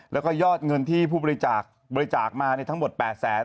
แล้วก็ยอดเงินที่ผู้บริจาคบริจาคมาทั้งหมด๘แสน